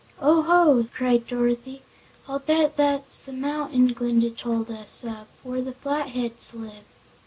"Oh, ho!" cried Dorothy; "I'll bet that's the mountain Glinda told us of, where the Flatheads live."